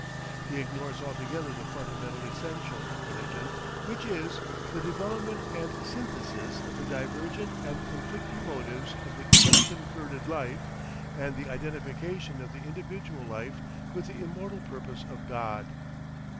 He ignores altogether the fundamental essential of religion, which is THE DEVELOPMENT AND SYNTHESIS OF THE DIVERGENT AND CONFLICTING MOTIVES OF THE UNCONVERTED LIFE, AND THE IDENTIFICATION OF THE INDIVIDUAL LIFE WITH THE IMMORTAL PURPOSE OF GOD.